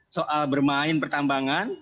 soal bermain pertambangan